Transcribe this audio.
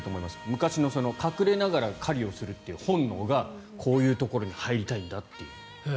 昔の隠れながら狩りをするという本能がこういうところに入りたいんだという。